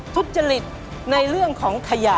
ทุจริตในเรื่องของขยะ